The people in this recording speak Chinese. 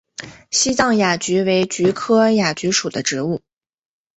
西藏亚菊为菊科亚菊属的植物。